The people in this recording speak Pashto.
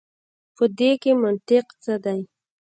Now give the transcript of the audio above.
په دې کښي منطق څه دی.